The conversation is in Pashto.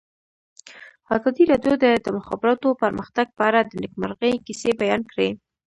ازادي راډیو د د مخابراتو پرمختګ په اړه د نېکمرغۍ کیسې بیان کړې.